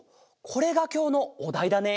これがきょうのおだいだね？